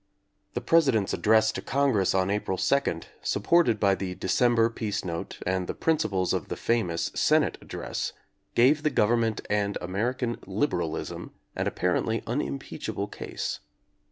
The President's address to Con gress on April 2, supported by the December Peace note and the principles of the famous Senate ad dress, gave the Government and American "liberalism" an apparently unimpeachable case.